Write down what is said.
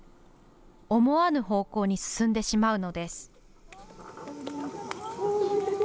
思わぬ方向に進んでしまうのです。